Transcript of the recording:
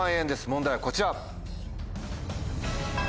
問題はこちら！